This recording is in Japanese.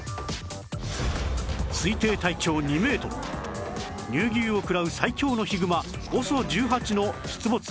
推定体長２メートル乳牛を食らう最強のヒグマ ＯＳＯ１８ の出没報告も